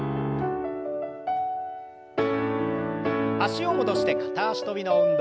脚を戻して片脚跳びの運動。